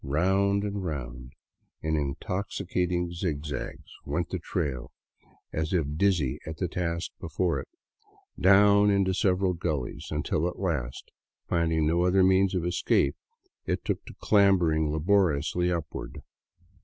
Round and round, in intoxicated zigzags, went the trail, 55 VAGABONDING DOWN THE ANDES as if dizzy at the task before it, down into several gullies until at last, finding no other means of escape, it took to clambering laboriously up ward.